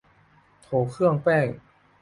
โถเครื่องแป้ง